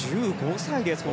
１５歳です。